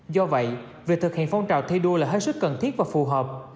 do vậy việc thực hiện phong trào thi đua là hết sức cần thiết và phù hợp